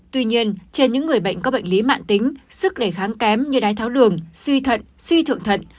tuy nhiên trên những người bệnh có bệnh lý mạng tính sức đề kháng kém như đái tháo đường suy thận suy thượng thận